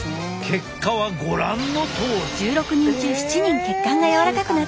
結果はご覧のとおり。